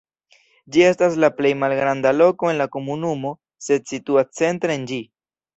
Ĝi estas la plej malgranda loko en la komunumo, sed situas centre en ĝi.